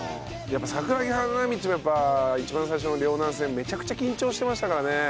桜木花道もやっぱ一番最初の陵南戦めちゃくちゃ緊張してましたからね。